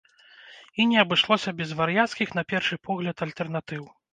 І не абышлося без вар'яцкіх, на першы погляд, альтэрнатыў.